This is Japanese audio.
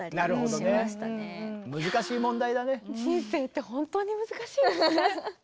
人生って本当に難しいですね。